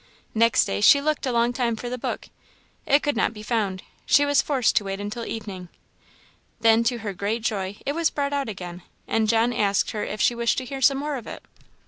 Next day she looked a long time for the book; it could not be found; she was forced to wait until evening. Then, to her great joy, it was brought out again, and John asked her if she wished to hear some more of it.